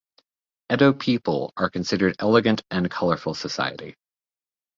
Edo people are considered elegant and colorful society.